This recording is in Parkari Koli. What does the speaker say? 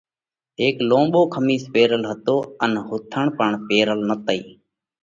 هيڪ لونٻو کمِيس پيرل هتو ان ۿُونٿڻ پڻ پيرل نتئِي۔